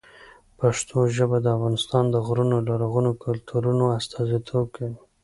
پښتو ژبه د افغانستان د غرونو او لرغونو کلتورونو استازیتوب کوي.